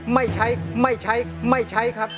ไม่ใช้ไม่ใช้ไม่ใช้ครับ